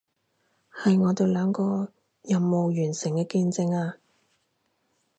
係我哋兩個任務完成嘅見證啊